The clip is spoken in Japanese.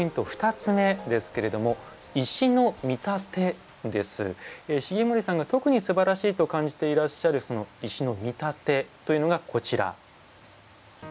２つ目ですけれども重森さんが特にすばらしいと感じていらっしゃる石の見たてというのがこちら。